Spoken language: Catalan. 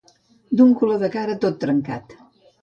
D'un color de cara tot trencat.